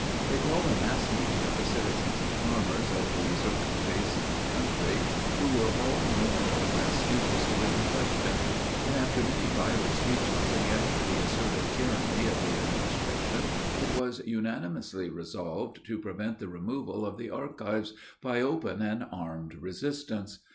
They called a mass meeting of the citizens and farmers of the circumjacent country, who were all more or less interested in the question; and, after many fiery speeches against the asserted tyranny of the administration, it was unanimously resolved to prevent the removal of the archives, by open and armed resistance.